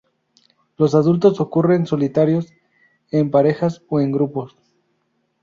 Los adultos ocurren solitarios, en parejas o en grupos.